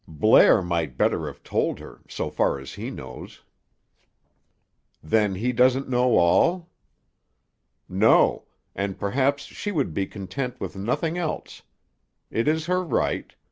"Blair might better have told her—so far as he knows." "Then he doesn't know all?" "No. And perhaps she would be content with nothing else. It is her right.